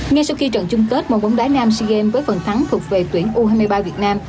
ngay sau khi trận chung kết một bóng đá nam sea games với phần thắng thuộc về tuyển u hai mươi ba việt nam